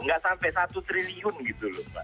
nggak sampai satu triliun gitu loh mbak